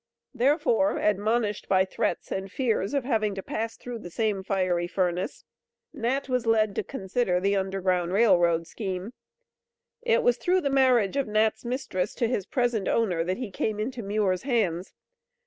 Therefore, admonished by threats and fears of having to pass through the same fiery furnace, Nat was led to consider the U.G.R.R. scheme. It was through the marriage of Nat's mistress to his present owner that he came into Muir's hands.